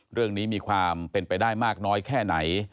เรื่องนี้มีความเป็นไปได้มากน้อยแค่ไหน